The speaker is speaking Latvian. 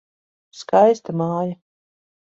Skaista māja.